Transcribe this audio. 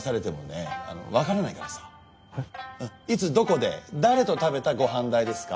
いつどこで誰と食べたごはん代ですか？